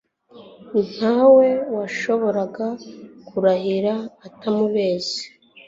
nta we yashoboraga kurahira atamubeshye